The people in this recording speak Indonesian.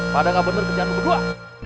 pada gak bener kejar berdua